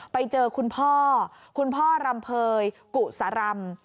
ไปเจอคุณพ่อคุณพ่อรำเภยกุศรำ